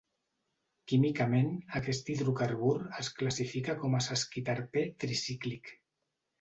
Químicament, aquest hidrocarbur es classifica com a sesquiterpè tricíclic.